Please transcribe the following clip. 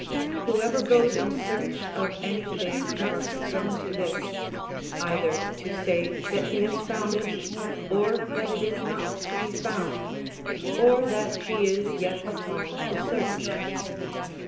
Whoever goes in search of any thing must come to this, either to say that he has found it, or that it is not to be found, or that he is yet upon the search.